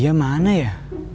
nah dia mana ya